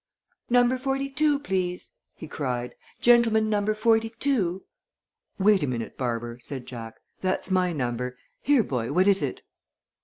"NUMBER FORTY TWO, please!" he cried. "Gentleman number FORTY TWO!" "Wait a minute, Barber," said Jack. "That's my number. Here, boy, what is it?"